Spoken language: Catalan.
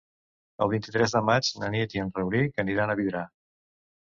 El vint-i-tres de maig na Nit i en Rauric aniran a Vidrà.